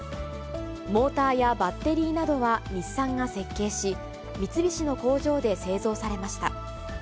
モーターやバッテリーなどは日産が設計し、三菱の工場で製造されました。